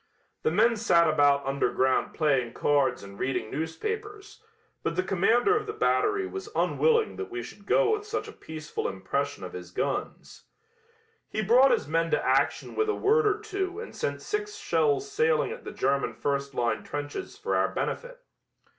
The men sat about underground playing cards and reading newspapers, but the commander of the battery was unwilling that we should go with such a peaceful impression of his guns. He brought his men to action with a word or two and sent six shells sailing at the German first line trenches for our benefit.